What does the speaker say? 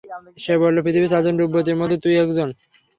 সে বলল, পৃথিবীর চারজন রূপবতীর মধ্যে তুই একজন।